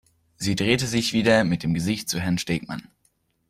Sie drehte sich wieder mit dem Gesicht zu Herrn Stegemann.